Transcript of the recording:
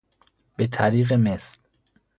بطریق مثل